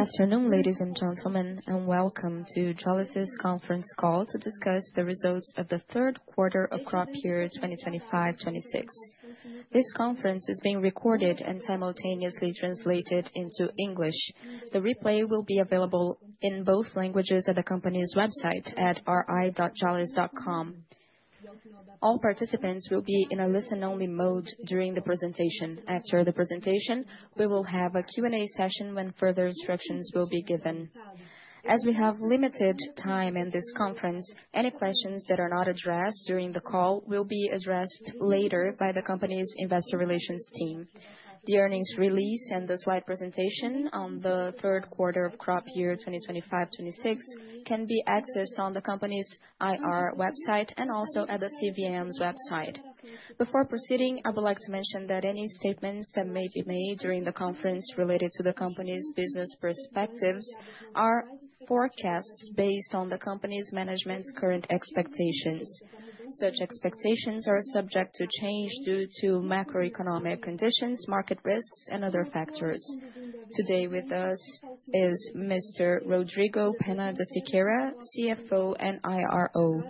Good afternoon, ladies and gentlemen, and welcome to Jalles' Conference Call to discuss the Results of the Third Quarter of Crop Year 2025, 2026. This conference is being recorded and simultaneously translated into English. The replay will be available in both languages at the company's website at ri.jallesmachado.com. All participants will be in a listen-only mode during the presentation. After the presentation, we will have a Q&A session when further instructions will be given. As we have limited time in this conference, any questions that are not addressed during the call will be addressed later by the company's investor relations team. The earnings release and the slide presentation on the third quarter of crop year 2025, 2026, can be accessed on the company's IR website and also at the CVM's website. Before proceeding, I would like to mention that any statements that may be made during the conference related to the company's business perspectives are forecasts based on the company's management's current expectations. Such expectations are subject to change due to macroeconomic conditions, market risks, and other factors. Today with us is Mr. Rodrigo Penna de Siqueira, CFO and IRO.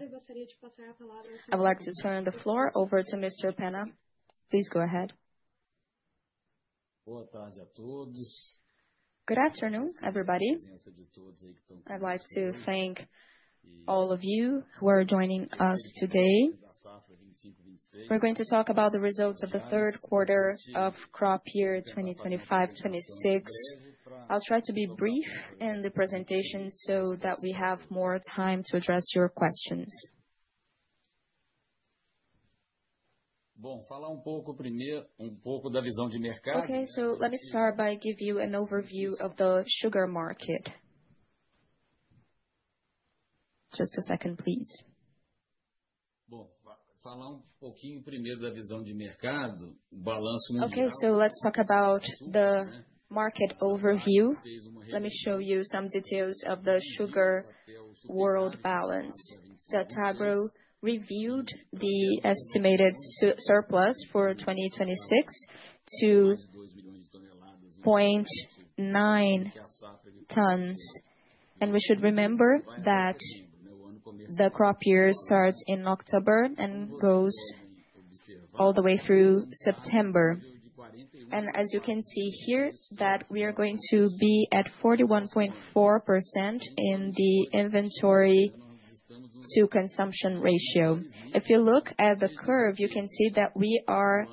I would like to turn the floor over to Mr. Penna. Please go ahead. Good afternoon, everybody. I'd like to thank all of you who are joining us today. We're going to talk about the results of the third quarter of crop year 2025, 2026. I'll try to be brief in the presentation so that we have more time to address your questions. Okay, so let me start by give you an overview of the sugar market. Just a second, please. Okay, so let's talk about the market overview. Let me show you some details of the sugar world balance. DATAGRO reviewed the estimated surplus for 2026 to 0.9 tons, and we should remember that the crop year starts in October and goes all the way through September. And as you can see here, that we are going to be at 41.4% in the inventory to consumption ratio. If you look at the curve, you can see that we are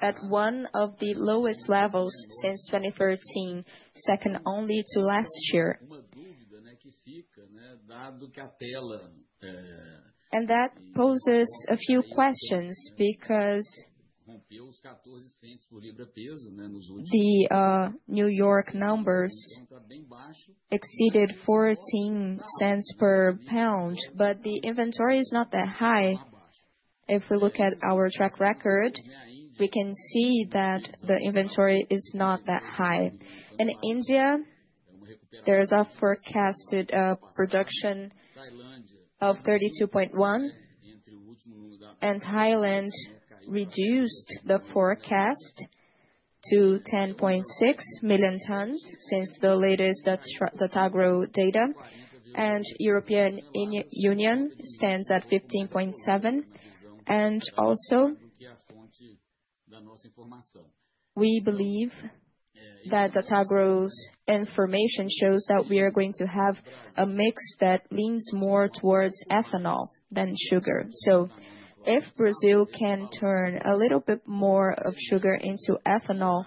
at one of the lowest levels since 2013, second only to last year. And that poses a few questions, because the New York numbers exceeded $0.14 per pound, but the inventory is not that high. If we look at our track record, we can see that the inventory is not that high. In India, there is a forecasted production of 32.1%, and Thailand reduced the forecast to 10.6 million tons since the latest DATAGRO data, and European Union stands at 15.7 million. Also, we believe that DATAGRO's information shows that we are going to have a mix that leans more towards ethanol than sugar. So if Brazil can turn a little bit more of sugar into ethanol,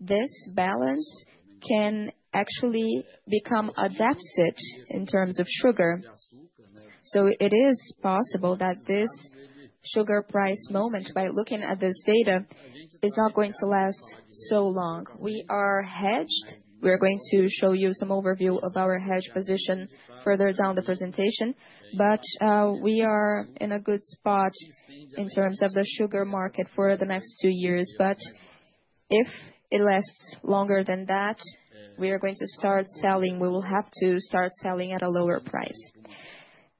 this balance can actually become a deficit in terms of sugar. So it is possible that this sugar price moment, by looking at this data, is not going to last so long. We are hedged. We are going to show you some overview of our hedge position further down the presentation, but we are in a good spot in terms of the sugar market for the next two years. But if it lasts longer than that, we are going to start selling, we will have to start selling at a lower price.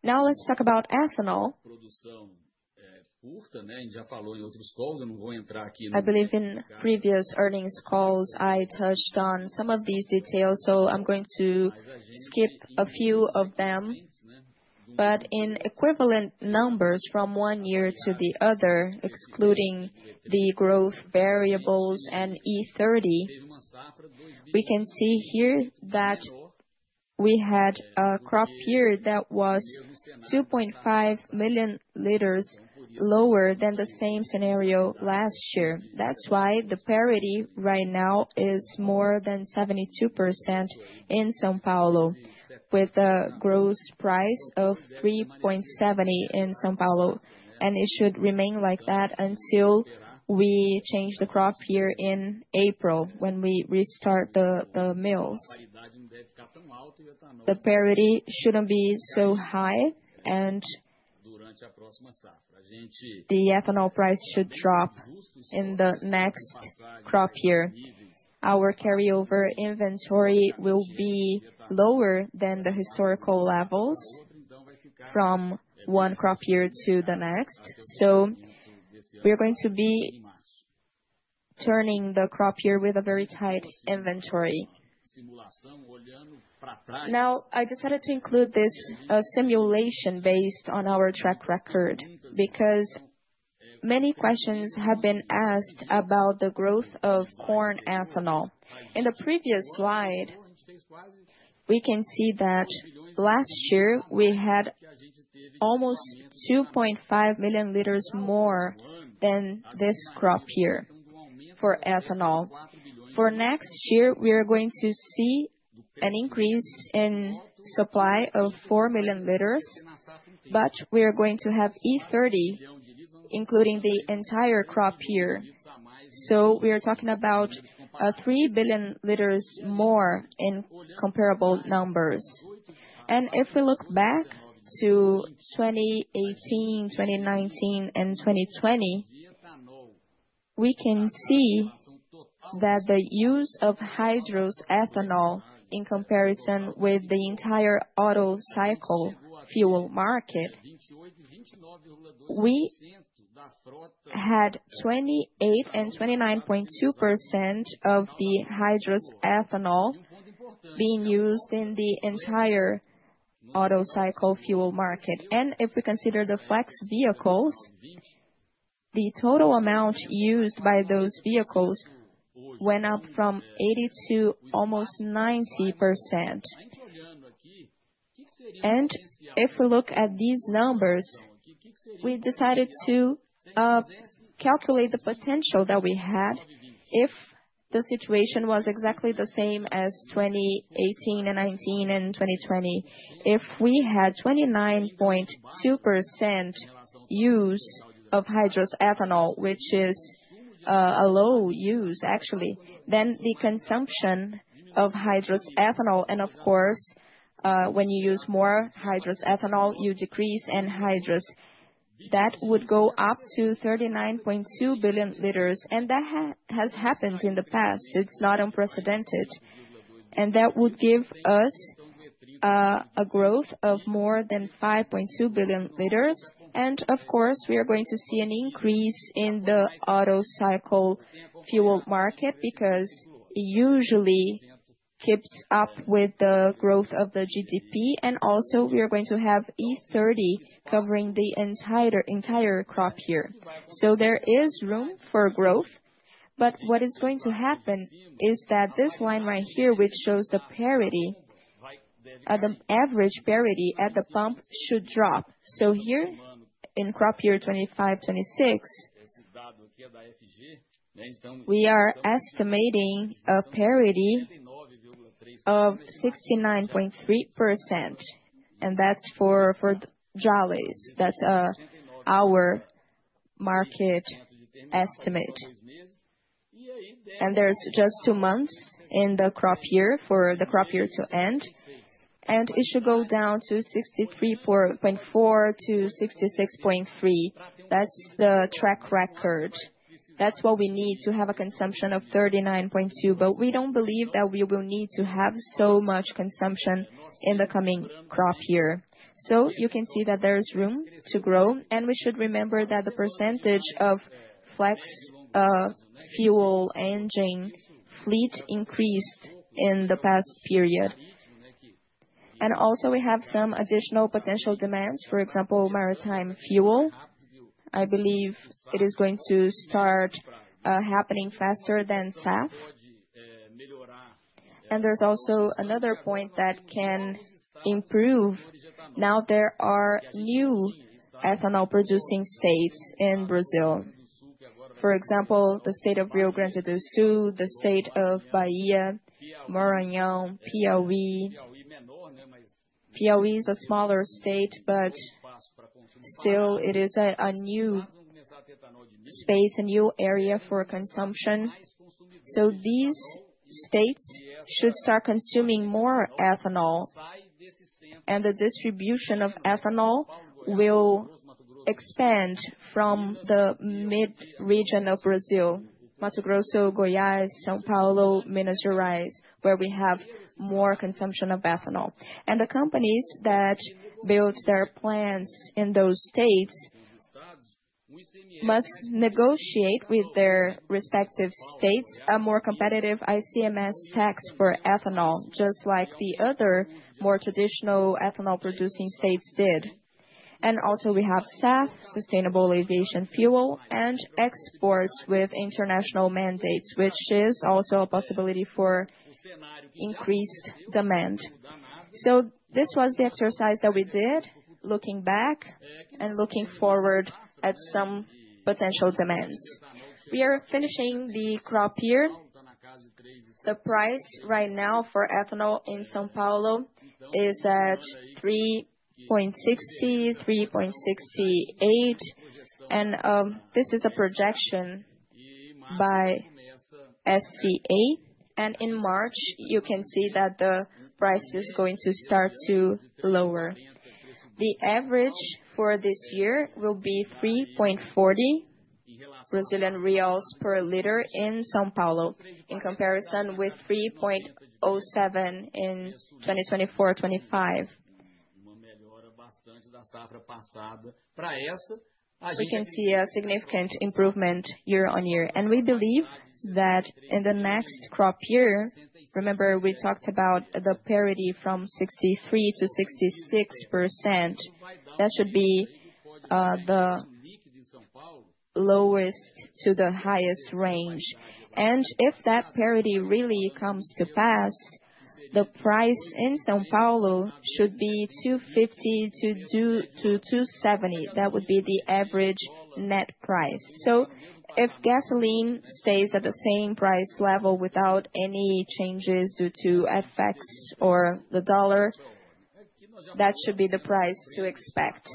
Now, let's talk about ethanol. I believe in previous earnings calls, I touched on some of these details, so I'm going to skip a few of them. But in equivalent numbers from one year to the other, excluding the growth variables and E-30, we can see here that we had a crop year that was 2.5 million liters lower than the same scenario last year. That's why the parity right now is more than 72% in São Paulo, with a gross price of 3.70 in São Paulo, and it should remain like that until we change the crop year in April, when we restart the mills. The parity shouldn't be so high, and the ethanol price should drop in the next crop year. Our carryover inventory will be lower than the historical levels from one crop year to the next, so we are going to be turning the crop year with a very tight inventory. Now, I decided to include this simulation based on our track record, because many questions have been asked about the growth of corn ethanol. In the previous slide, we can see that last year we had almost 2.5 million liters more than this crop year for ethanol. For next year, we are going to see an increase in supply of 4 million liters, but we are going to have E-30, including the entire crop year. So we are talking about 3 billion liters more in comparable numbers. If we look back to 2018, 2019, and 2020, we can see that the use of hydrous ethanol in comparison with the entire auto cycle fuel market, we had 28% and 29.2% of the hydrous ethanol being used in the entire auto cycle fuel market. If we consider the flex vehicles, the total amount used by those vehicles went up from 80% to almost 90%. If we look at these numbers, we decided to calculate the potential that we had if the situation was exactly the same as 2018 and 2019 and 2020. If we had 29.2% use of hydrous ethanol, which is a low use, actually, then the consumption of hydrous ethanol, and of course, when you use more hydrous ethanol, you decrease anhydrous. That would go up to 39.2 billion liters, and that has happened in the past. It's not unprecedented. And that would give us a growth of more than 5.2 billion liters. And of course, we are going to see an increase in the auto cycle fuel market, because it usually keeps up with the growth of the GDP, and also we are going to have E-30 covering the entire, entire crop year. So there is room for growth, but what is going to happen is that this line right here, which shows the parity, the average parity at the pump, should drop. So here in crop year 2025-26, we are estimating a parity of 69.3%, and that's for Jalles. That's our market estimate. There's just two months in the crop year for the crop year to end, and it should go down to 63.4%-66.3%. That's the track record. That's what we need to have a consumption of 39.2 billion, but we don't believe that we will need to have so much consumption in the coming crop year. So you can see that there is room to grow, and we should remember that the percentage of flex fuel engine fleet increased in the past period. And also, we have some additional potential demands. For example, maritime fuel. I believe it is going to start happening faster than SAF. And there's also another point that can improve. Now, there are new ethanol-producing states in Brazil. For example, the state of Rio Grande do Sul, the state of Bahia, Maranhão, Piauí. Piauí is a smaller state, but still it is a new space, a new area for consumption. So these states should start consuming more ethanol, and the distribution of ethanol will expand from the mid-region of Brazil, Mato Grosso, Goiás, São Paulo, Minas Gerais, where we have more consumption of ethanol. And the companies that build their plants in those states must negotiate with their respective states a more competitive ICMS tax for ethanol, just like the other more traditional ethanol-producing states did. And also, we have SAF, sustainable aviation fuel, and exports with international mandates, which is also a possibility for increased demand. So this was the exercise that we did, looking back and looking forward at some potential demands. We are finishing the crop year. The price right now for ethanol in São Paulo is at 3.60, 3.68. This is a projection by SCA. In March, you can see that the price is going to start to lower. The average for this year will be 3.40 Brazilian reais per liter in São Paulo, in comparison with 3.07 in 2024-25. We can see a significant improvement year-on-year, and we believe that in the next crop year, remember, we talked about the parity from 63%-66%. That should be the lowest to the highest range. And if that parity really comes to pass, the price in São Paulo should be 2.50-2.70. That would be the average net price. So if gasoline stays at the same price level without any changes due to FX or the U.S. dollar, that should be the price to expect.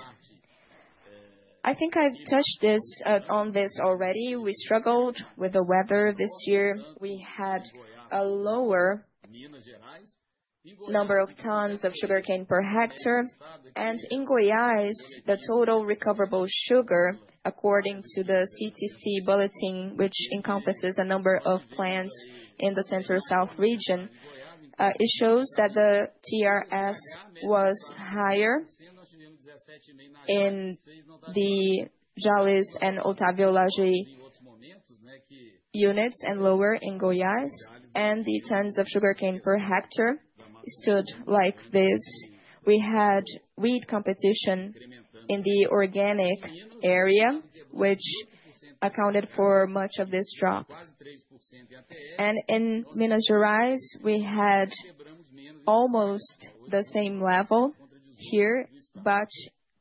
I think I've touched this on this already. We struggled with the weather this year. We had a lower number of tons of sugarcane per hectare, and in Goiás, the total recoverable sugar, according to the CTC bulletin, which encompasses a number of plants in the Center-South region, it shows that the TRS was higher in the Jalles and Otávio Lage units and lower in Goiás, and the tons of sugarcane per hectare stood like this. We had wheat competition in the organic area, which accounted for much of this drop. In Minas Gerais, we had almost the same level here, but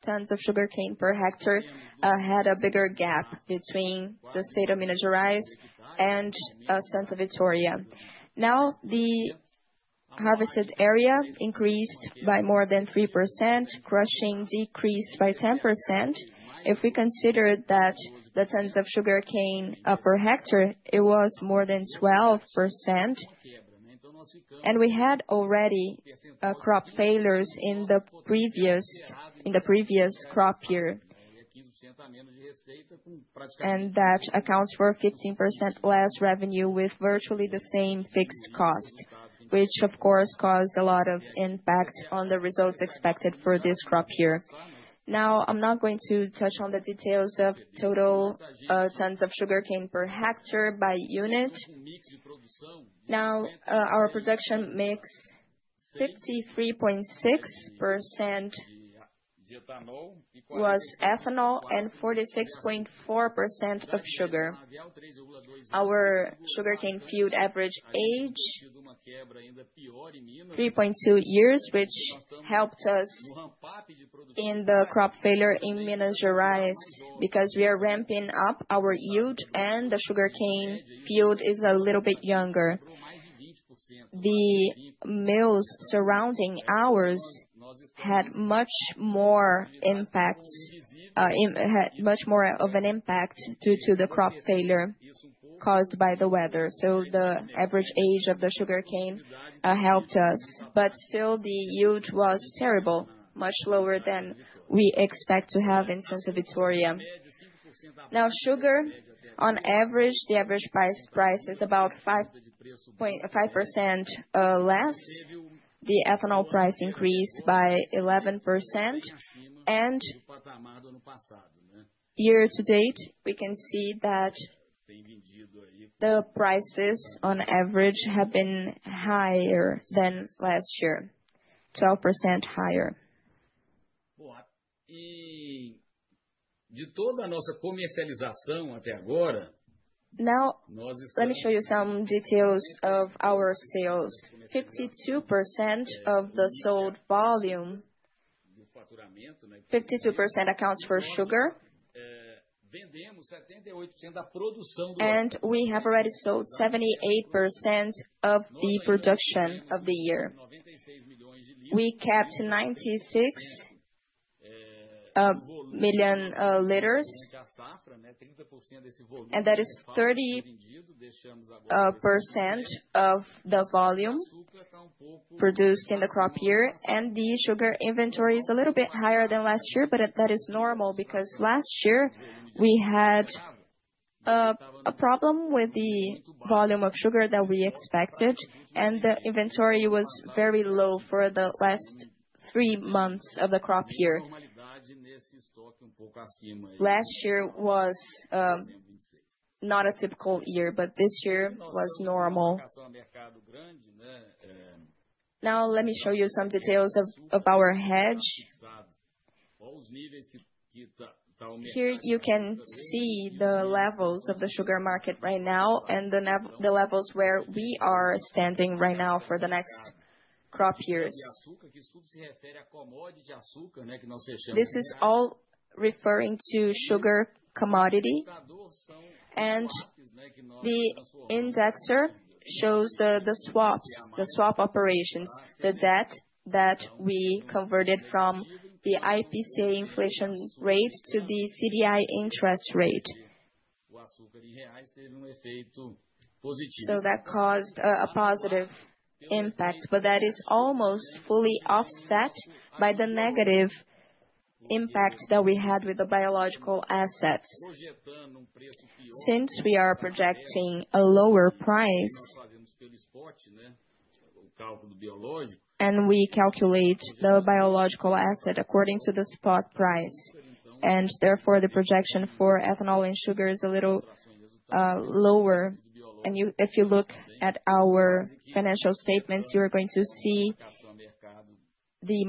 tons of sugarcane per hectare had a bigger gap between the state of Minas Gerais and Santa Vitória. Now, the harvested area increased by more than 3%, crushing decreased by 10%. If we consider that the tons of sugarcane per hectare, it was more than 12%, and we had already crop failures in the previous, in the previous crop year. That accounts for 15% less revenue, with virtually the same fixed cost, which of course, caused a lot of impact on the results expected for this crop year. Now, I'm not going to touch on the details of total tons of sugarcane per hectare by unit. Now, our Production mix 63.6% was ethanol and 46.4% of sugar. Our sugarcane field average age 3.2 years, which helped us in the crop failure in Minas Gerais, because we are ramping up our yield and the sugarcane field is a little bit younger. The mills surrounding ours had much more impacts, had much more of an impact due to the crop failure caused by the weather, so the average age of the sugarcane helped us. But still, the yield was terrible, much lower than we expect to have in Santa Vitória. Now, sugar, on average, the average price, price is about 5% less. The ethanol price increased by 11%. And year to date, we can see that the prices on average have been higher than last year, 12% higher. Now, let me show you some details of our sales. 52% of the sold volume, 52% accounts for sugar, and we have already sold 78% of the production of the year. We kept 96 million liters, and that is 30% of the volume produced in the crop year, and the sugar inventory is a little bit higher than last year, but that, that is normal, because last year we had a problem with the volume of sugar that we expected, and the inventory was very low for the last three months of the crop year. Last year was not a typical year, but this year was normal. Now, let me show you some details of our hedge. Here you can see the levels of the sugar market right now and the levels where we are standing right now for the next crop years. This is all referring to sugar commodity, and the indexer shows the swaps, the swap operations, the debt that we converted from the IPCA inflation rate to the CDI interest rate. So that caused a positive impact, but that is almost fully offset by the negative impact that we had with the biological assets. Since we are projecting a lower price. And we calculate the biological asset according to the spot price, and therefore, the projection for ethanol and sugar is a little lower. And you, if you look at our financial statements, you are going to see the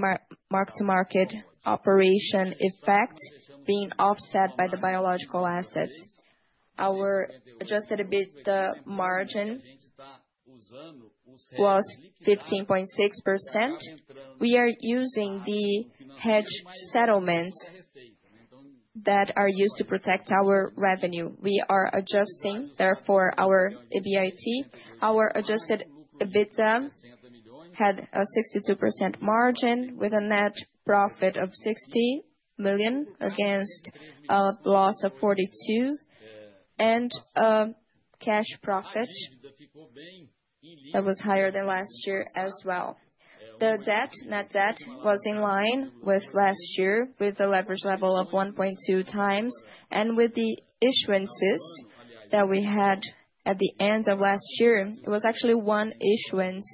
mark-to-market operation effect being offset by the biological assets. Our adjusted EBIT, the margin, was 15.6%. We are using the hedge settlements that are used to protect our revenue. We are adjusting, therefore, our EBIT. Our adjusted EBITDA had a 62% margin, with a net profit of 60 million against a loss of 42 million, and cash profit that was higher than last year as well. The debt, net debt, was in line with last year, with a leverage level of 1.2x, and with the issuances that we had at the end of last year, it was actually one issuance.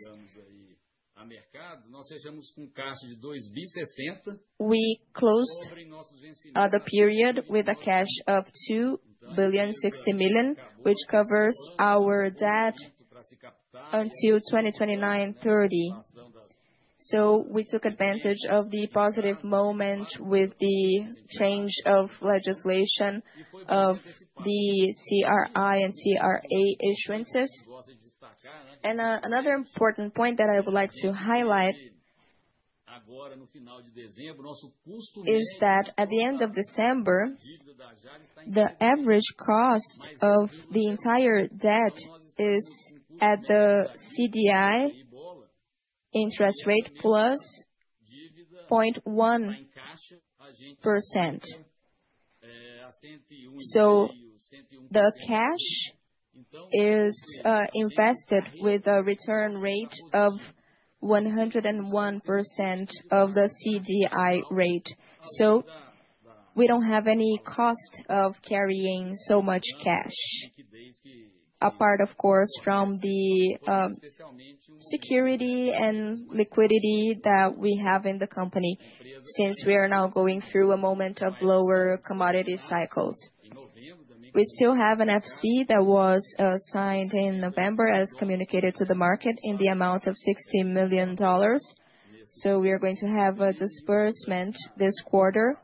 We closed the period with a cash of 2.06 billion, which covers our debt until 2029-2030. So we took advantage of the positive moment with the change of legislation of the CRI and CRA issuances. And another important point that I would like to highlight is that at the end of December, the average cost of the entire debt is at the CDI interest rate plus 0.1%. So the cash is invested with a return rate of 101% of the CDI rate. So we don't have any cost of carrying so much cash. Apart, of course, from the security and liquidity that we have in the company, since we are now going through a moment of lower commodity cycles. We still have an IFC that was signed in November, as communicated to the market, in the amount of $60 million. So we are going to have a disbursement this quarter,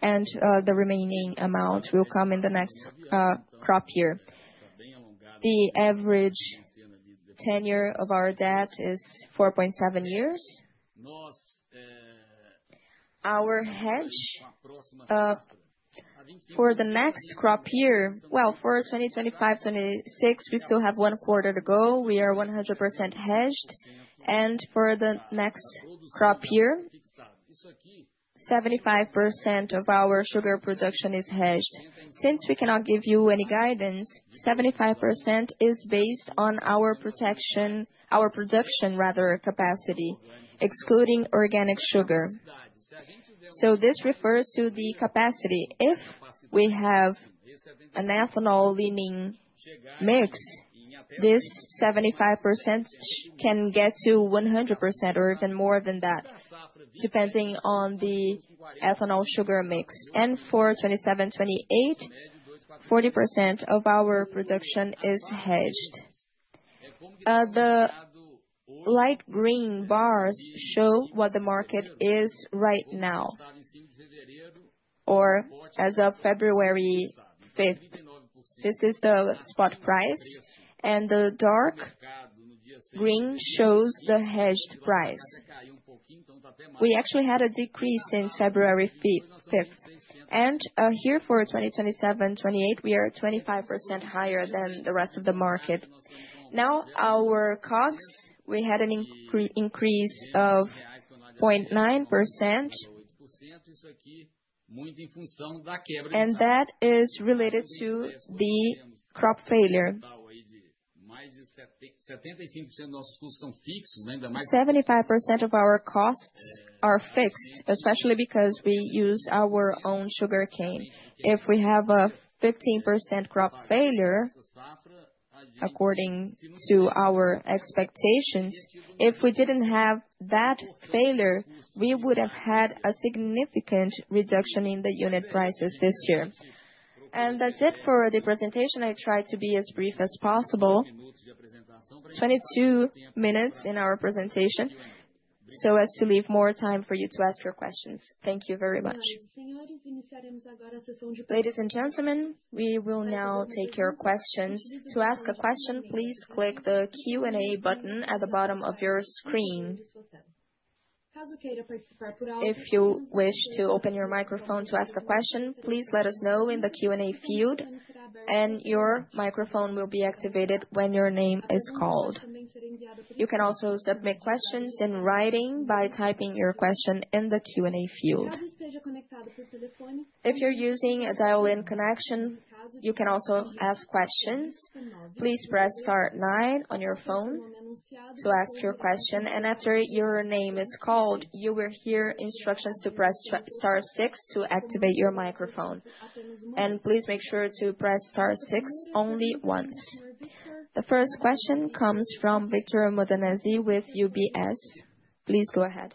and the remaining amount will come in the next crop year. The average tenure of our debt is 4.7 years. Our hedge for the next crop year. Well, for 2025-2026, we still have one quarter to go. We are 100% hedged, and for the next crop year, 75% of our sugar production is hedged. Since we cannot give you any guidance, 75% is based on our protection, our production, rather, capacity, excluding organic sugar. So this refers to the capacity. If we have an ethanol-leaning mix, this 75% can get to 100% or even more than that, depending on the ethanol sugar mix. And for 2027, 2028, 40% of our production is hedged. The light green bars show what the market is right now, or as of February fifth. This is the spot price, and the dark green shows the hedged price. We actually had a decrease in February 5, and here for 2027, 2028, we are 25% higher than the rest of the market. Now, our COGS, we had an increase of 0.9%. And that is related to the crop failure. 75% of our costs are fixed, especially because we use our own sugarcane. If we have a 15% crop failure, according to our expectations, if we didn't have that failure, we would have had a significant reduction in the unit prices this year. And that's it for the presentation. I tried to be as brief as possible. 22 minutes in our presentation, so as to leave more time for you to ask your questions. Thank you very much. Ladies and gentlemen, we will now take your questions. To ask a question, please click the Q&A button at the bottom of your screen. If you wish to open your microphone to ask a question, please let us know in the Q&A field, and your microphone will be activated when your name is called. You can also submit questions in writing by typing your question in the Q&A field. If you're using a dial-in connection, you can also ask questions. Please press star nine on your phone to ask your question, and after your name is called, you will hear instructions to press star six to activate your microphone. And please make sure to press star six only once. The first question comes from Victor Modanese with UBS. Please go ahead.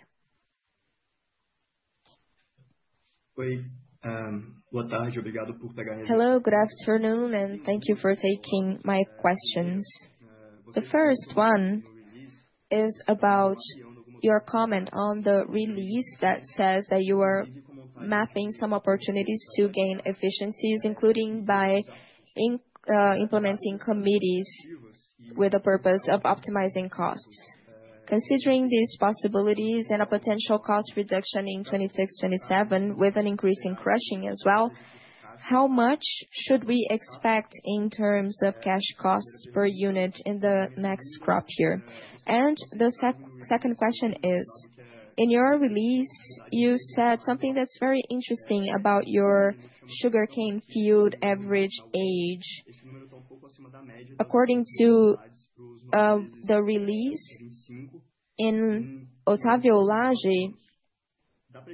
Hello, good afternoon, and thank you for taking my questions. The first one is about your comment on the release that says that you are mapping some opportunities to gain efficiencies, including by implementing committees with the purpose of optimizing costs. Considering these possibilities and a potential cost reduction in 2026, 2027, with an increase in crushing as well, how much should we expect in terms of cash costs per unit in the next crop year? And the second question is: in your release, you said something that's very interesting about your sugarcane field average age. According to the release in Otávio Lage,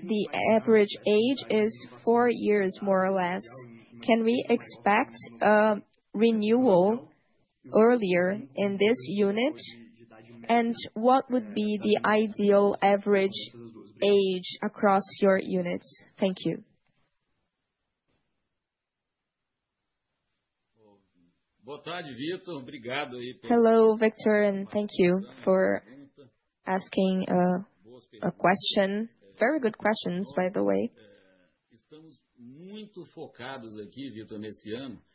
the average age is four years, more or less. Can we expect a renewal earlier in this unit? And what would be the ideal average age across your units? Thank you. Hello, Victor, and thank you for asking a question. Very good questions, by the way.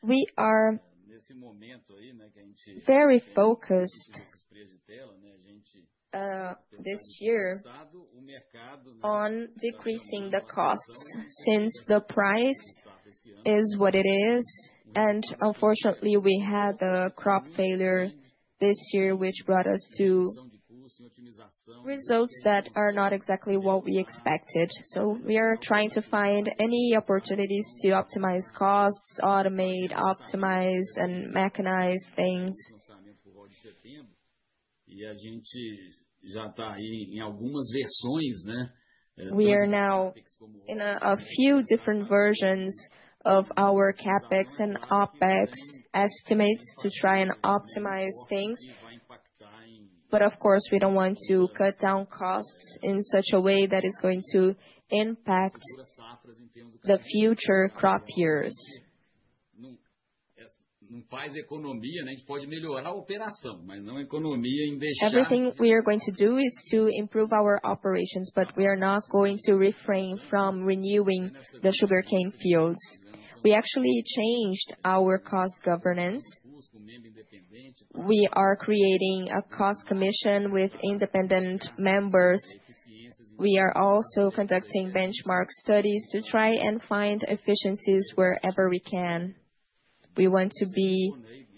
We are very focused this year on decreasing the costs since the price is what it is, and unfortunately, we had a crop failure this year, which brought us to results that are not exactly what we expected. So we are trying to find any opportunities to optimize costs, automate, optimize, and mechanize things. We are now in a few different versions of our CapEx and OpEx estimates to try and optimize things. But of course, we don't want to cut down costs in such a way that is going to impact the future crop years. Everything we are going to do is to improve our operations, but we are not going to refrain from renewing the sugarcane fields. We actually changed our cost governance. We are creating a cost commission with independent members. We are also conducting benchmark studies to try and find efficiencies wherever we can. We want to be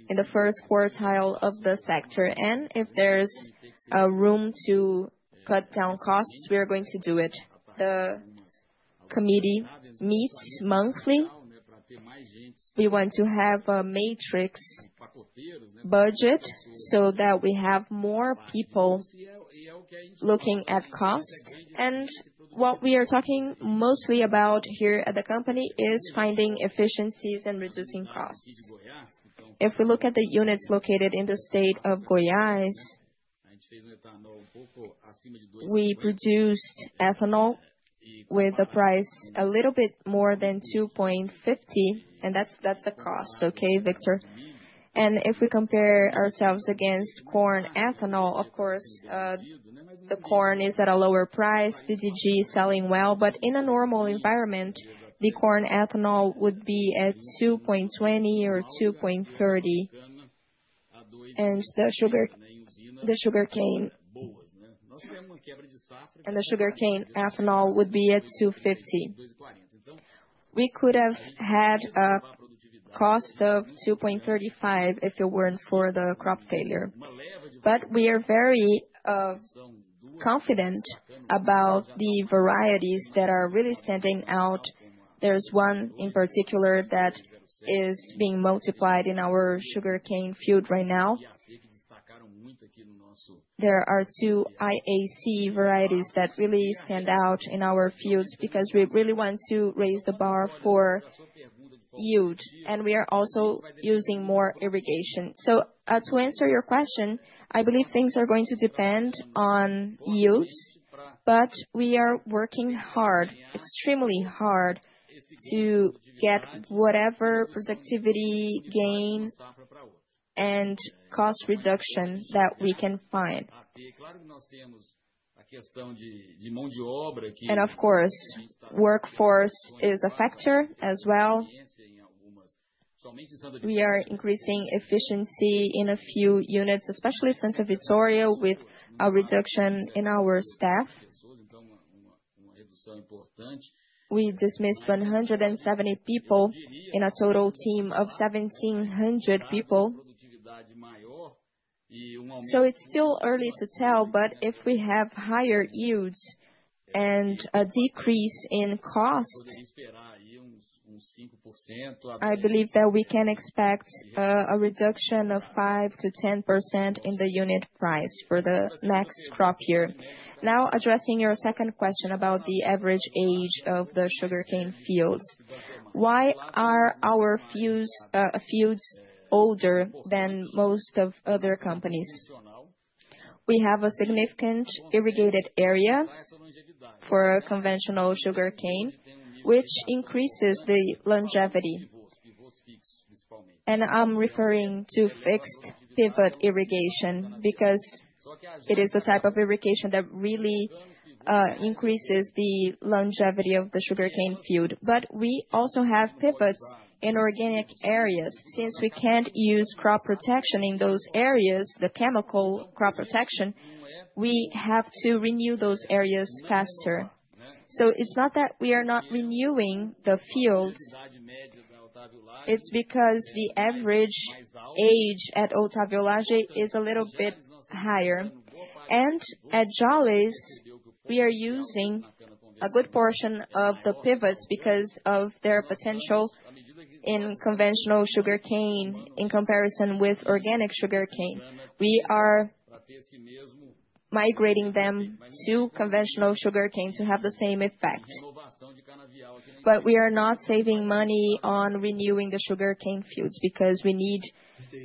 in the first quartile of the sector, and if there's a room to cut down costs, we are going to do it. The committee meets monthly. We want to have a matrix budget so that we have more people looking at costs. And what we are talking mostly about here at the company is finding efficiencies and reducing costs. If we look at the units located in the state of Goiás, we produced ethanol with a price a little bit more than 2.50, and that's, that's the cost. Okay, Victor? And if we compare ourselves against corn ethanol, of course, the corn is at a lower price, DDG is selling well, but in a normal environment, the corn ethanol would be at 2.20 or 2.30. And the sugar, the sugarcane. And the sugarcane ethanol would be at 2.50. We could have had a cost of 2.35 if it weren't for the crop failure. We are very confident about the varieties that are really standing out. There is one in particular that is being multiplied in our sugarcane field right now. There are two IAC varieties that really stand out in our fields because we really want to raise the bar for yield, and we are also using more irrigation. So, to answer your question, I believe things are going to depend on yields, but we are working hard, extremely hard, to get whatever productivity gains and cost reduction that we can find. And of course, workforce is a factor as well. We are increasing efficiency in a few units, especially Santa Vitória, with a reduction in our staff. We dismissed 170 people in a total team of 1,700 people. So it's still early to tell, but if we have higher yields and a decrease in costs, I believe that we can expect a reduction of 5%-10% in the unit price for the next crop year. Now, addressing your second question about the average age of the sugarcane fields. Why are our fields older than most of other companies? We have a significant irrigated area for conventional sugarcane, which increases the longevity. And I'm referring to fixed pivot irrigation, because it is the type of irrigation that really increases the longevity of the sugarcane field. But we also have pivots in organic areas. Since we can't use crop protection in those areas, the chemical crop protection, we have to renew those areas faster. So it's not that we are not renewing the fields, it's because the average age at Otávio Lage is a little bit higher. And at Jalles, we are using a good portion of the pivots because of their potential in conventional sugarcane in comparison with organic sugarcane. We are migrating them to conventional sugarcane to have the same effect. But we are not saving money on renewing the sugarcane fields, because we need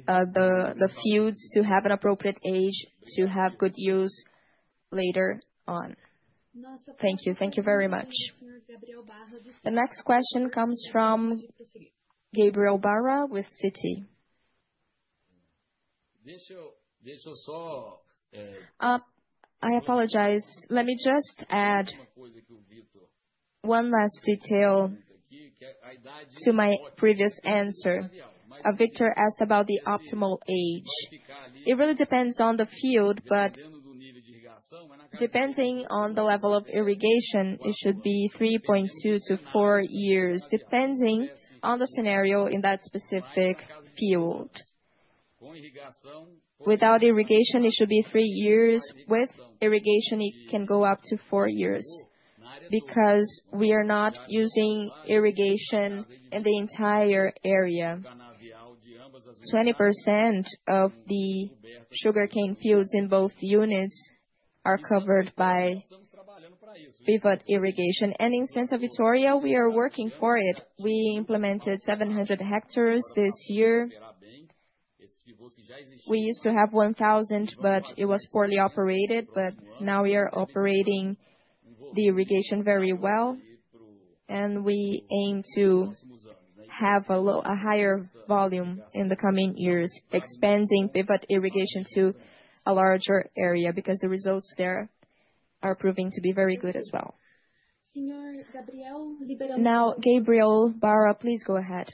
the fields to have an appropriate age, to have good use later on. Thank you. Thank you very much. The next question comes from Gabriel Barra with Citi. I apologize. Let me just add one last detail to my previous answer. Victor asked about the optimal age. It really depends on the field, but depending on the level of irrigation, it should be 3.2-4 years, depending on the scenario in that specific field. Without irrigation, it should be three years. With irrigation, it can go up to four years, because we are not using irrigation in the entire area. 20% of the sugarcane fields in both units are covered by pivot irrigation. And in Santa Vitória, we are working for it. We implemented 700 hectares this year. We used to have 1,000, but it was poorly operated, but now we are operating the irrigation very well, and we aim to have a higher volume in the coming years, expanding pivot irrigation to a larger area, because the results there are proving to be very good as well. Now, Gabriel Barra, please go ahead.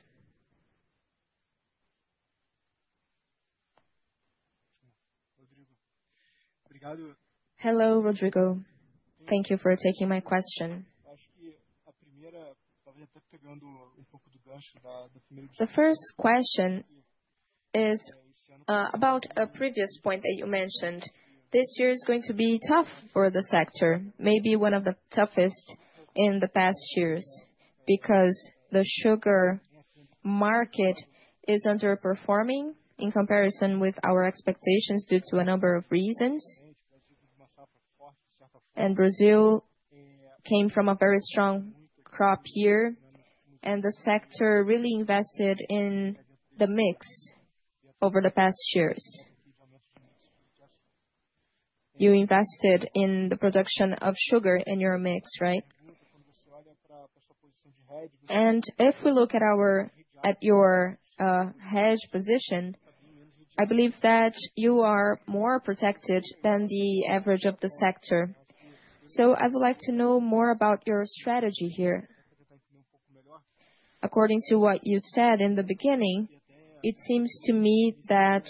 Hello, Rodrigo. Thank you for taking my question. The first question is about a previous point that you mentioned. This year is going to be tough for the sector, maybe one of the toughest in the past years, because the sugar market is underperforming in comparison with our expectations, due to a number of reasons. And Brazil came from a very strong crop year, and the sector really invested in the mix over the past years. You invested in the production of sugar in your mix, right? And if we look at our—at your hedge position, I believe that you are more protected than the average of the sector. So I would like to know more about your strategy here. According to what you said in the beginning, it seems to me that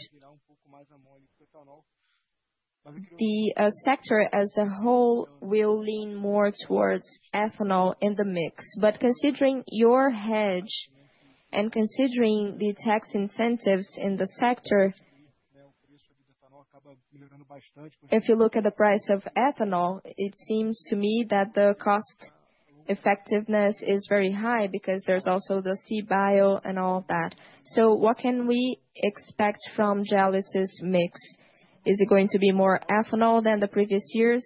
the sector as a whole will lean more towards ethanol in the mix. But considering your hedge and considering the tax incentives in the sector, if you look at the price of ethanol, it seems to me that the cost effectiveness is very high because there's also the CBio and all that. So what can we expect from Jalles' mix? Is it going to be more ethanol than the previous years?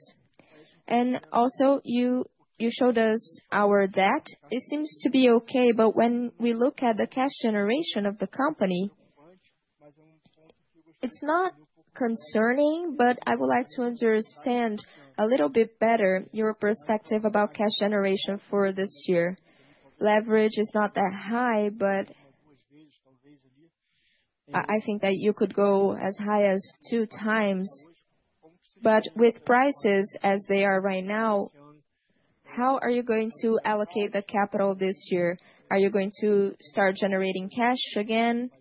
And also, you, you showed us our debt. It seems to be okay, but when we look at the cash generation of the company, it's not concerning, but I would like to understand a little bit better your perspective about cash generation for this year. Leverage is not that high, but I, I think that you could go as high as 2x. But with prices as they are right now, how are you going to allocate the capital this year? Are you going to start generating cash again?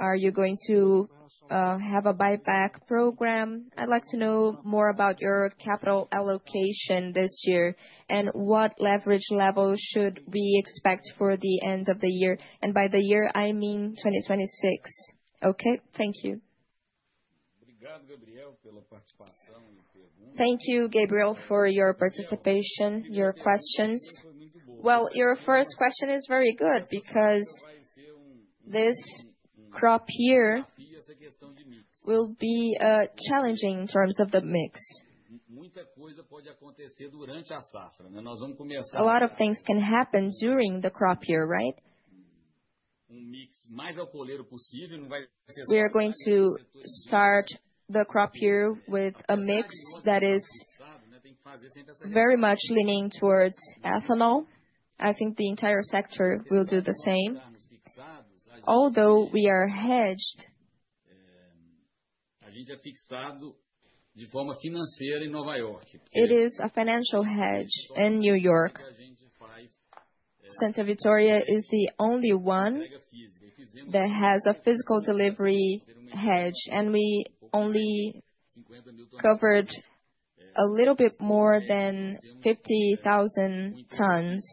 Are you going to have a buyback program? I'd like to know more about your capital allocation this year, and what leverage levels should we expect for the end of the year? And by the year, I mean 2026. Okay? Thank you. Thank you, Gabriel, for your participation, your questions. Well, your first question is very good, because this crop year will be challenging in terms of the mix. A lot of things can happen during the crop year, right? We are going to start the crop year with a mix that is very much leaning towards ethanol. I think the entire sector will do the same. Although we are hedged, it is a financial hedge in New York. Santa Vitória is the only one that has a physical delivery hedge, and we only covered a little bit more than 50,000 tons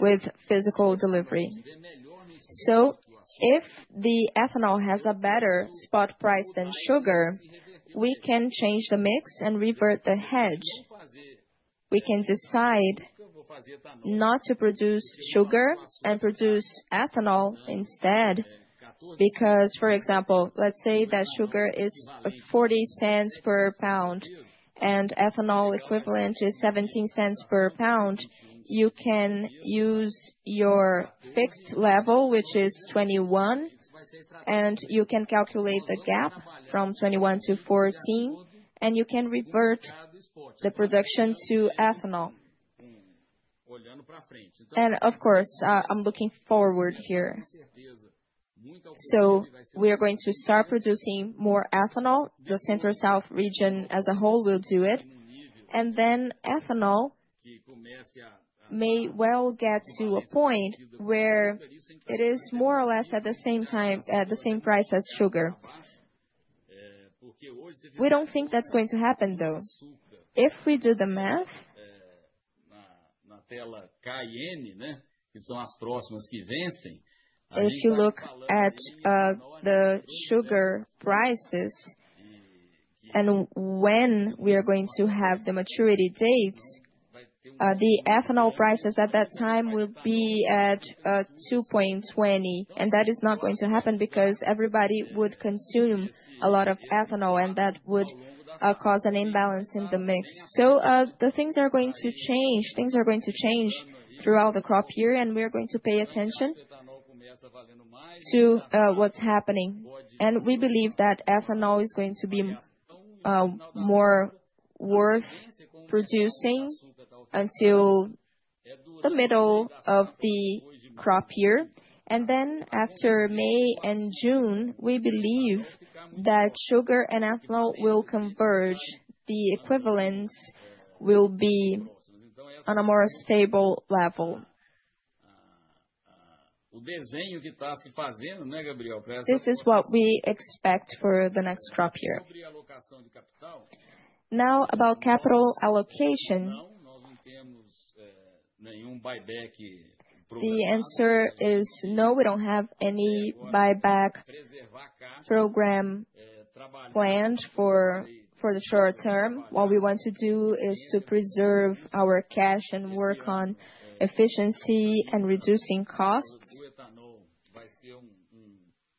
with physical delivery. So if the ethanol has a better spot price than sugar, we can change the mix and revert the hedge. We can decide not to produce sugar and produce ethanol instead, because, for example, let's say that sugar is $0.40 per pound, and ethanol equivalent is $0.17 per pound, you can use your fixed level, which is [21], and you can calculate the gap from 21 to 14, and you can revert the production to ethanol. And of course, I'm looking forward here. So we are going to start producing more ethanol. The Center South region as a whole will do it, and then ethanol may well get to a point where it is more or less at the same price as sugar. We don't think that's going to happen, though. If we do the math, if you look at the sugar prices and when we are going to have the maturity dates, the ethanol prices at that time will be at 2.20, and that is not going to happen because everybody would consume a lot of ethanol, and that would cause an imbalance in the mix. So, the things are going to change. Things are going to change throughout the crop year, and we are going to pay attention to what's happening. And we believe that ethanol is going to be more worth producing until the middle of the crop year. And then after May and June, we believe that sugar and ethanol will converge. The equivalents will be on a more stable level. This is what we expect for the next crop year. Now, about capital allocation, the answer is no, we don't have any buyback program planned for the short term. What we want to do is to preserve our cash and work on efficiency and reducing costs.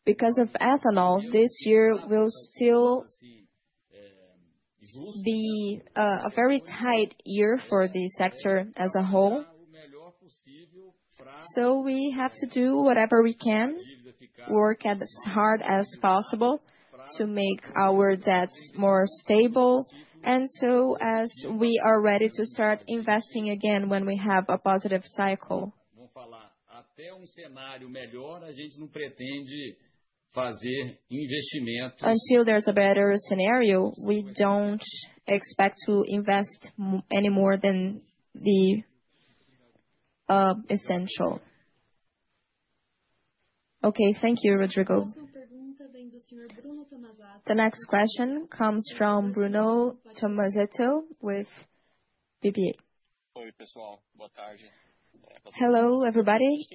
Because of ethanol, this year will still be a very tight year for the sector as a whole. So we have to do whatever we can, work as hard as possible to make our debts more stable, and so as we are ready to start investing again when we have a positive cycle. Until there's a better scenario, we don't expect to invest any more than the essential. Okay, thank you, Rodrigo. The next question comes from Bruno Tomazetto with BBA. Hello, everybody.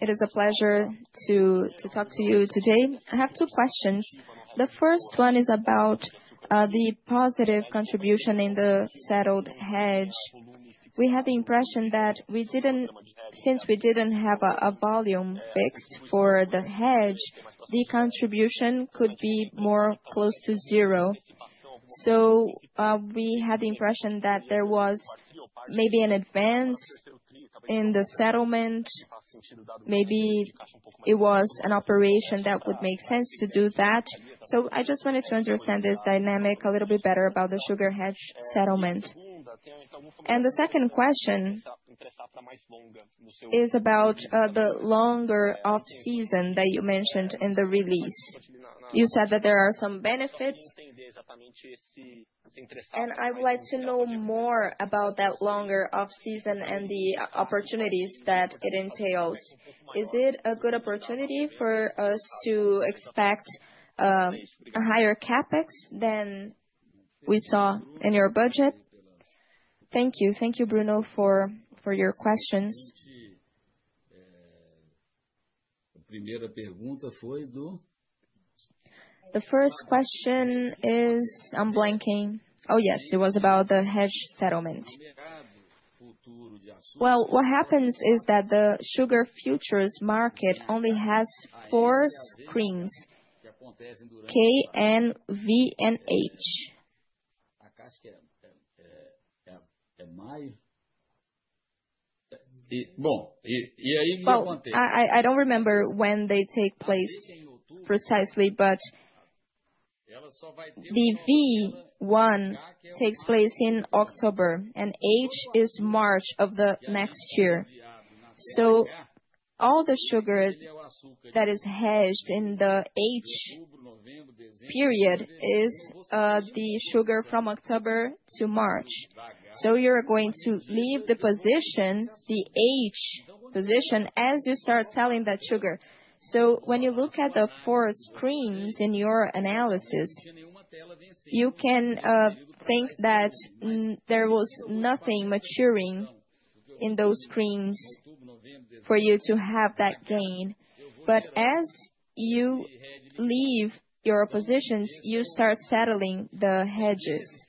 It is a pleasure to talk to you today. I have two questions. The first one is about the positive contribution in the settled hedge. We had the impression that since we didn't have a volume fixed for the hedge, the contribution could be more close to zero. So we had the impression that there was maybe an advance in the settlement, maybe it was an operation that would make sense to do that. So I just wanted to understand this dynamic a little bit better about the sugar hedge settlement. And the second question is about the longer off-season that you mentioned in the release. You said that there are some benefits, and I would like to know more about that longer off-season and the opportunities that it entails. Is it a good opportunity for us to expect a higher CapEx than we saw in your budget? Thank you. Thank you, Bruno, for your questions. The first question is--I'm blanking. Oh, yes, it was about the hedge settlement. Well, what happens is that the sugar futures market only has four screens: K, N, V, and H. Well, I don't remember when they take place precisely, but the V one takes place in October, and H is March of the next year. So all the sugar that is hedged in the H period is the sugar from October to March. So you're going to leave the position, the H position, as you start selling that sugar. So when you look at the four screens in your analysis, you can think that there was nothing maturing in those screens for you to have that gain. But as you leave your positions, you start settling the hedges.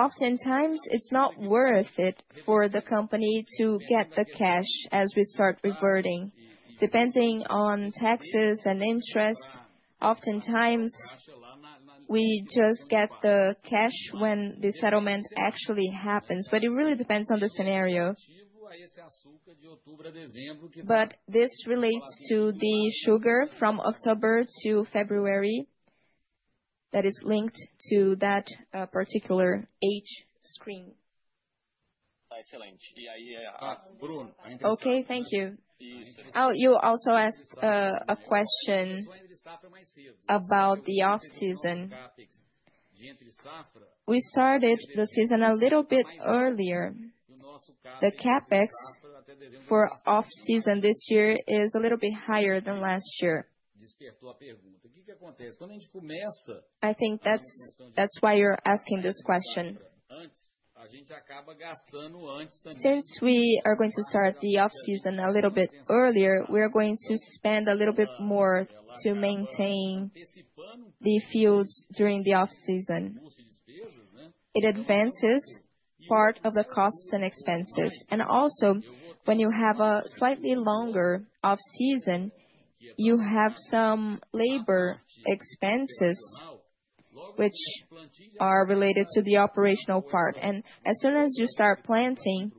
Oftentimes, it's not worth it for the company to get the cash as we start reverting. Depending on taxes and interest, oftentimes, we just get the cash when the settlement actually happens, but it really depends on the scenario. But this relates to the sugar from October to February that is linked to that particular H screen. Excellent. Okay, thank you. You also asked a question about the off-season. We started the season a little bit earlier. The CapEx for off-season this year is a little bit higher than last year. I think that's why you're asking this question. Since we are going to start the off-season a little bit earlier, we are going to spend a little bit more to maintain the fields during the off-season. It advances part of the costs and expenses. And also, when you have a slightly longer off-season, you have some labor expenses which are related to the operational part. As soon as you start planting,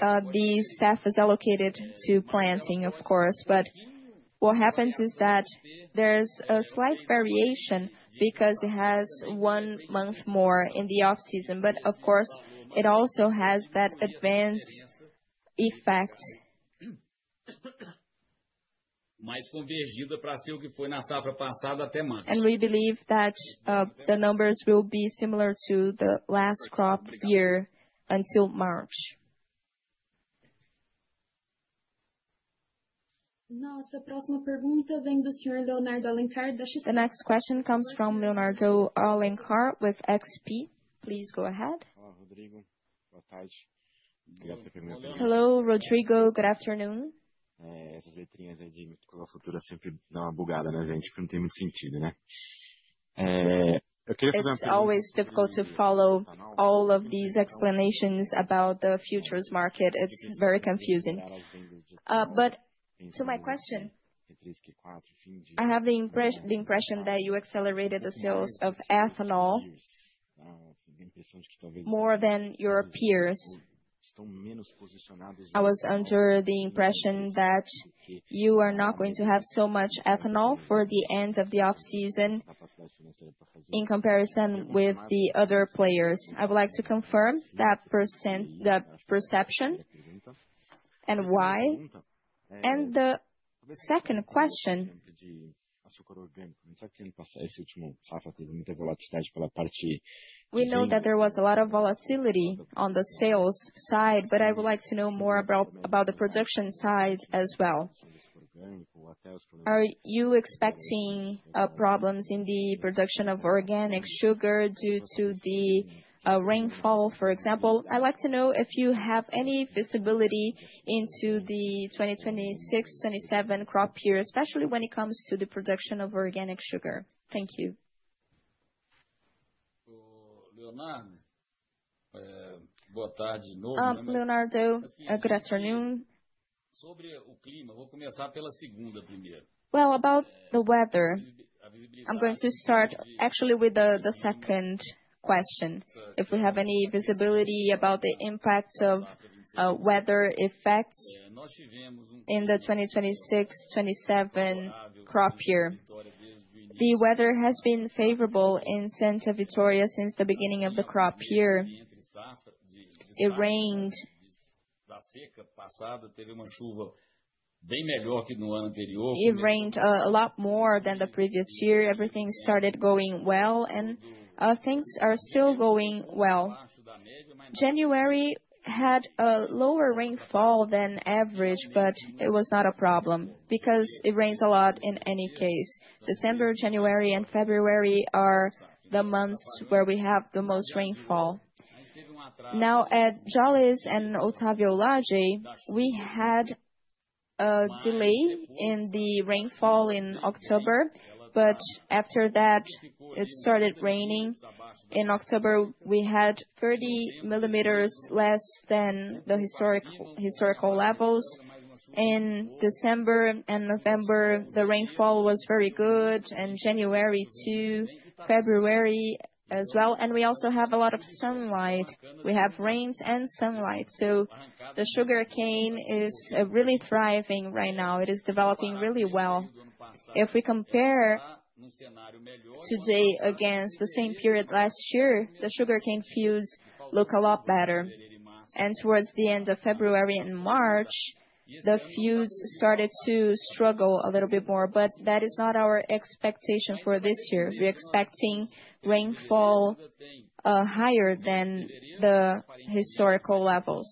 the staff is allocated to planting, of course. But what happens is that there's a slight variation because it has one month more in the off-season. But of course, it also has that advanced effect. And we believe that the numbers will be similar to the last crop year until March. The next question comes from Leonardo Alencar with XP. Please go ahead. Hello, Rodrigo. Good afternoon. It's always difficult to follow all of these explanations about the futures market. It's very confusing. But to my question, I have the impression that you accelerated the sales of ethanol more than your peers. I was under the impression that you are not going to have so much ethanol for the end of the off-season in comparison with the other players. I would like to confirm that percentage perception, and why? And the second question. We know that there was a lot of volatility on the sales side, but I would like to know more about the production side as well. Are you expecting problems in the production of organic sugar due to the rainfall, for example? I'd like to know if you have any visibility into the 2026-2027 crop year, especially when it comes to the production of organic sugar. Thank you. Leonardo, good afternoon. Well, about the weather, I'm going to start actually with the second question. If we have any visibility about the impacts of weather effects in the 2026-2027 crop year. The weather has been favorable in Santa Vitória since the beginning of the crop year. It rained... It rained a lot more than the previous year. Everything started going well, and things are still going well. January had a lower rainfall than average, but it was not a problem because it rains a lot in any case. December, January and February are the months where we have the most rainfall. Now, at Jalles and Otávio Lage, we had a delay in the rainfall in October, but after that, it started raining. In October, we had 30 millimeters less than the historical levels. In December and November, the rainfall was very good, and January to February as well. We also have a lot of sunlight. We have rains and sunlight, so the sugarcane is really thriving right now. It is developing really well. If we compare today against the same period last year, the sugarcane fields look a lot better. Towards the end of February and March, the fields started to struggle a little bit more, but that is not our expectation for this year. We're expecting rainfall higher than the historical levels.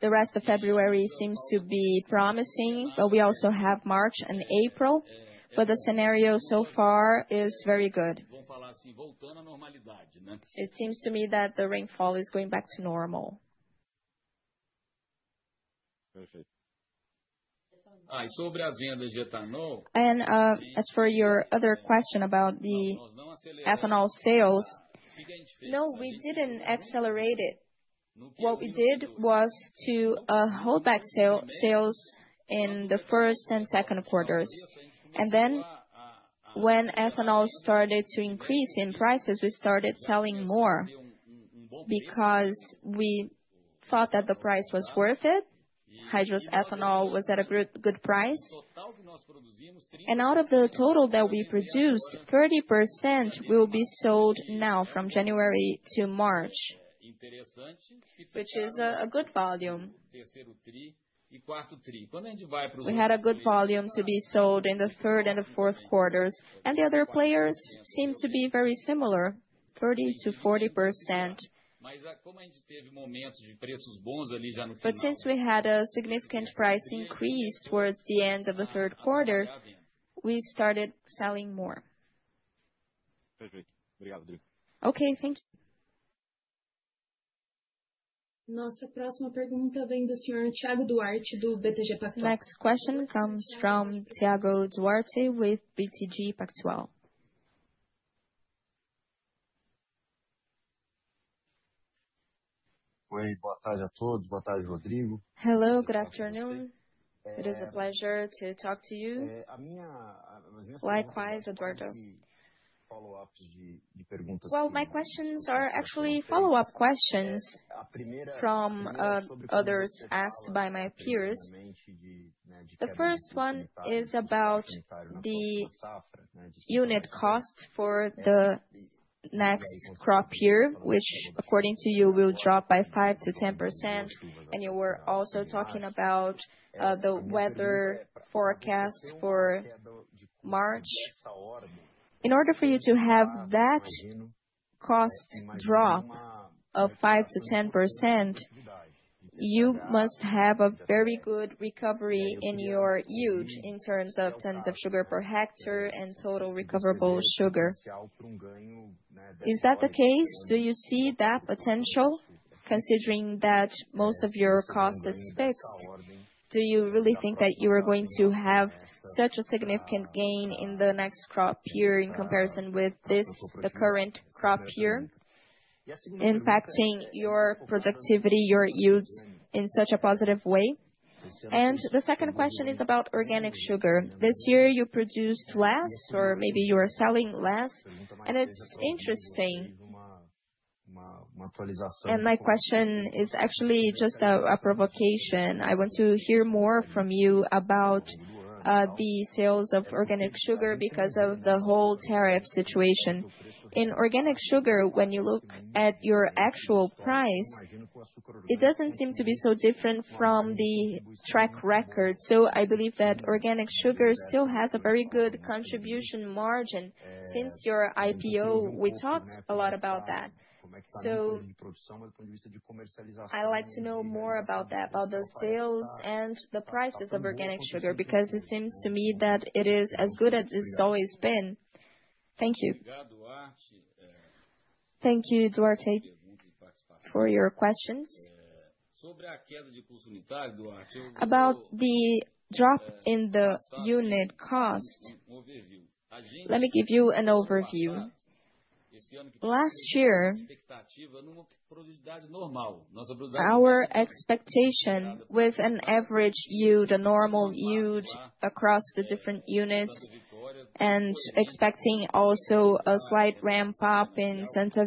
The rest of February seems to be promising, but we also have March and April, but the scenario so far is very good. It seems to me that the rainfall is going back to normal. Perfect. As for your other question about the ethanol sales, no, we didn't accelerate it. What we did was to hold back sales in the first and second quarters. And then, when ethanol started to increase in prices, we started selling more because we thought that the price was worth it. Hydrous ethanol was at a good, good price. Out of the total that we produced, 30% will be sold now from January to March, which is a good volume. We had a good volume to be sold in the third and the fourth quarters, and the other players seem to be very similar, 30%-40%. But since we had a significant price increase towards the end of the third quarter, we started selling more. Perfect. Okay, thank you. Next question comes from Thiago Duarte with BTG Pactual. Hello, good afternoon. It is a pleasure to talk to you. Likewise, Duarte. Well, my questions are actually follow-up questions from others asked by my peers. The first one is about the unit cost for the next crop year, which according to you, will drop by 5%-10%, and you were also talking about the weather forecast for March.In order for you to have that cost drop of 5%-10%, you must have a very good recovery in your yield in terms of tons of sugar per hectare and total recoverable sugar. Is that the case? Do you see that potential, considering that most of your cost is fixed? Do you really think that you are going to have such a significant gain in the next crop year in comparison with this, the current crop year, impacting your productivity, your yields in such a positive way? And the second question is about organic sugar. This year, you produced less, or maybe you are selling less, and it's interesting. And my question is actually just a provocation. I want to hear more from you about the sales of organic sugar because of the whole tariff situation. In organic sugar, when you look at your actual price, it doesn't seem to be so different from the track record. So I believe that organic sugar still has a very good contribution margin. Since your IPO, we talked a lot about that. So I'd like to know more about that, about the sales and the prices of organic sugar, because it seems to me that it is as good as it's always been. Thank you. Thank you, Duarte, for your questions. About the drop in the unit cost, let me give you an overview. Last year, our expectation with an average yield, a normal yield across the different units, and expecting also a slight ramp-up in Santa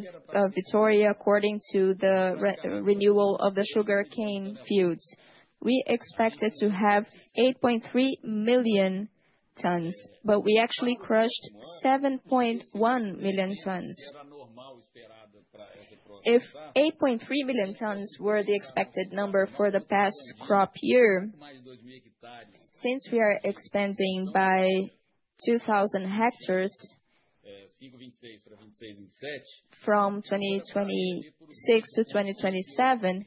Vitória, according to the renewal of the sugarcane fields, we expected to have 8.3 million tons, but we actually crushed 7.1 million tons. If 8.3 million tons were the expected number for the past crop year, since we are expanding by 2,000 hectares from 2026 to 2027,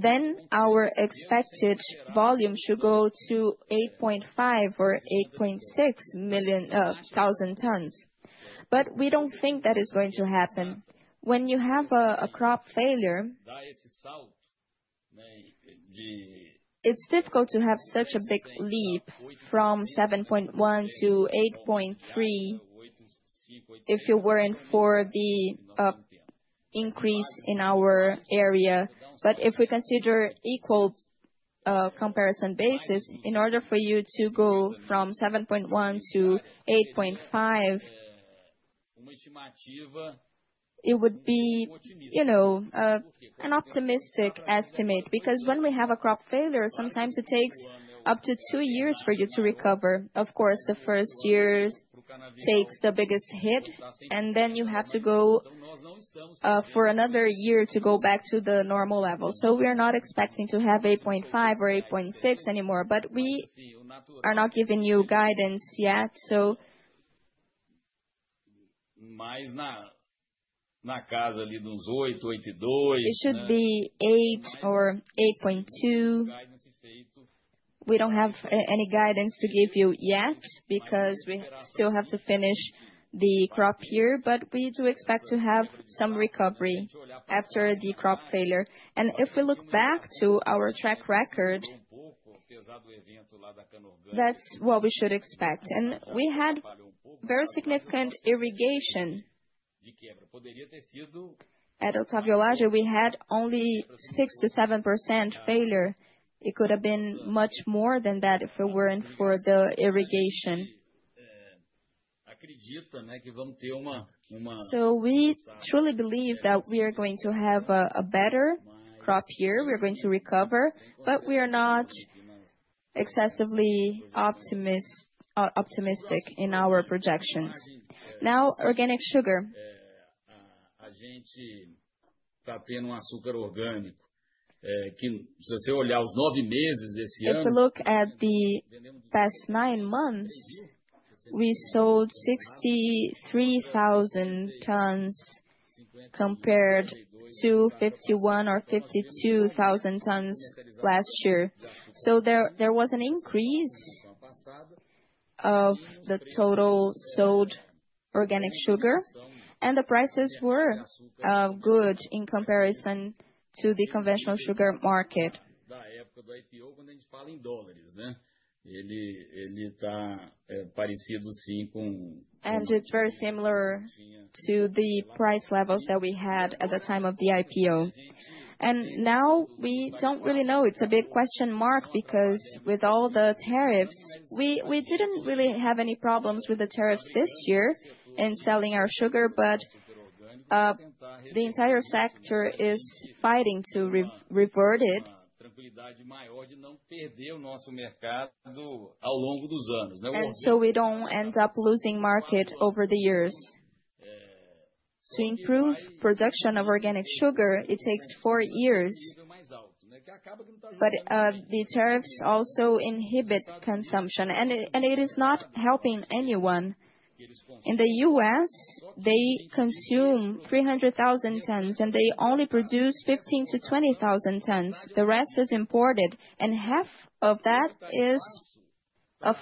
then our expected volume should go to 8.5 million or 8.6 million tons. But we don't think that is going to happen. When you have a crop failure, it's difficult to have such a big leap from 7.1 million-8.3 million, if it weren't for the increase in our area. But if we consider equal comparison basis, in order for you to go from 7.1 million-8.5 million, it would be, you know, an optimistic estimate. Because when we have a crop failure, sometimes it takes up to two years for you to recover. Of course, the first years takes the biggest hit, and then you have to go for another year to go back to the normal level. So we are not expecting to have 8.5 million or 8.6 million anymore, but we are not giving you guidance yet, so. It should be 8 million or 8.2 million. We don't have any guidance to give you yet, because we still have to finish the crop year, but we do expect to have some recovery after the crop failure. And if we look back to our track record, that's what we should expect. And we had very significant irrigation. At Otávio Lage, we had only 6%-7% failure. It could have been much more than that if it weren't for the irrigation. So we truly believe that we are going to have a better crop year. We are going to recover, but we are not excessively optimistic in our projections. Now, organic sugar. If you look at the past nine months, we sold 63,000 tons compared to 51,000 or 52,000 tons last year. So there, there was an increase of the total sold organic sugar, and the prices were good in comparison to the conventional sugar market. And it's very similar to the price levels that we had at the time of the IPO. And now we don't really know. It's a big question mark, because with all the tariffs. We, we didn't really have any problems with the tariffs this year in selling our sugar, but the entire sector is fighting to revert it. And so we don't end up losing market over the years. To improve production of organic sugar, it takes four years. But, the tariffs also inhibit consumption, and it, and it is not helping anyone. In the U.S., they consume 300,000 tons, and they only produce 15,000-20,000 tons. The rest is imported, and half of that is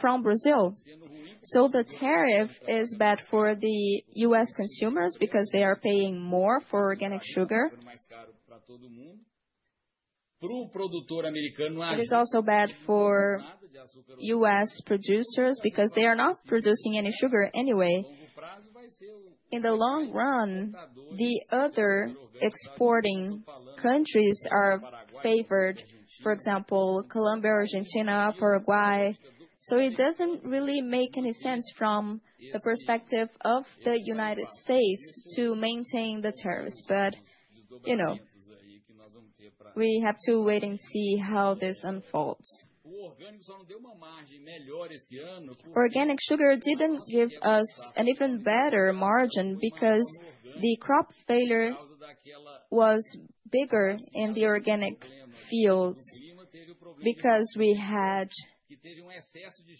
from Brazil. So the tariff is bad for the U.S. consumers because they are paying more for organic sugar. It is also bad for U.S. producers because they are not producing any sugar anyway. In the long run, the other exporting countries are favored, for example, Colombia, Argentina, Paraguay. So it doesn't really make any sense from the perspective of the United States to maintain the tariffs. But, you know, we have to wait and see how this unfolds. Organic sugar didn't give us an even better margin because the crop failure was bigger in the organic fields. Because we had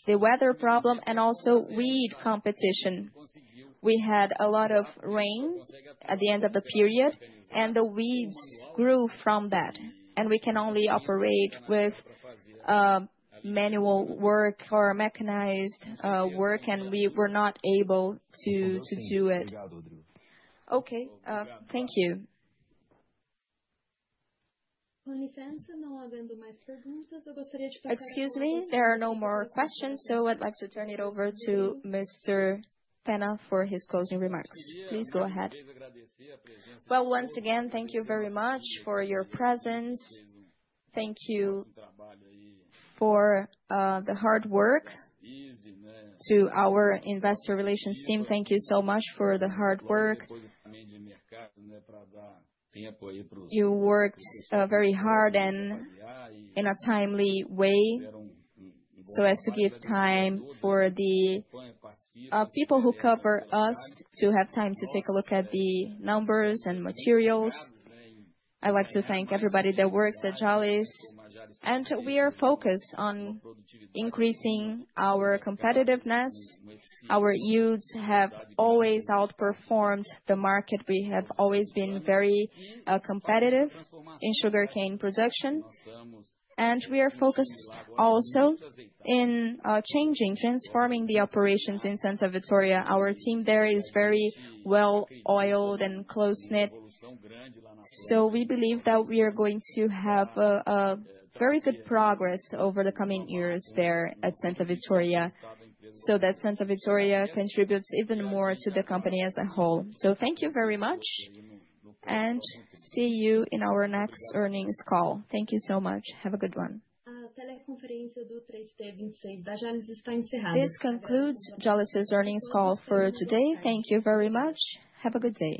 the weather problem and also weed competition. We had a lot of rain at the end of the period, and the weeds grew from that, and we can only operate with manual work or mechanized work, and we were not able to do it. Okay, thank you. Excuse me, there are no more questions, so I'd like to turn it over to Mr. Penna for his closing remarks. Please go ahead. Well, once again, thank you very much for your presence. Thank you for the hard work. To our investor relations team, thank you so much for the hard work. You worked very hard and in a timely way, so as to give time for the people who cover us to have time to take a look at the numbers and materials. I'd like to thank everybody that works at Jalles', and we are focused on increasing our competitiveness. Our yields have always outperformed the market. We have always been very competitive in sugarcane production, and we are focused also in changing, transforming the operations in Santa Vitória. Our team there is very well-oiled and close-knit, so we believe that we are going to have a very good progress over the coming years there at Santa Vitória, so that Santa Vitória contributes even more to the company as a whole. So thank you very much, and see you in our next earnings call. Thank you so much. Have a good one. This concludes Jalles' earnings call for today. Thank you very much. Have a good day.